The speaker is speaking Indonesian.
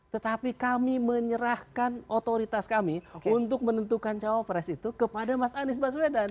tetapi kami menyerahkan otoritas kami untuk menentukan cawapres itu kepada mas anies baswedan